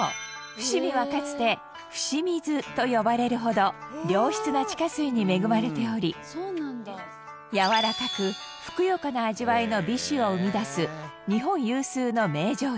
伏見はかつて伏水と呼ばれるほど良質な地下水に恵まれておりやわらかくふくよかな味わいの美酒を生み出す日本有数の銘醸地。